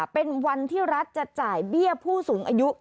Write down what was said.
เป็นวันที่รัฐจะจ่ายเบี้ยผู้สูงอายุ